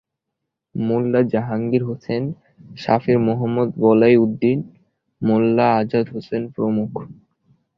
Molla Jahangir Hossain, Sharif Mohammad Bolai Uddin, Molla Azad Hossain প্রমূখ।